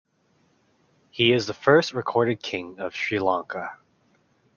He is the first recorded King of Sri Lanka.